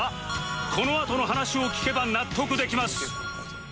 このあとの話を聞けば納得できます